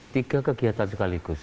tiga kegiatan sekaligus